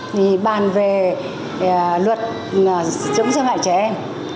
thì bàn về luật chống giam hại trẻ em